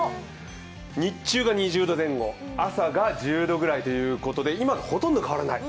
日中が２０度前後朝が１０度ぐらいということで今とほとんど変わらない。